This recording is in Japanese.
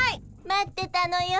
待ってたのよ。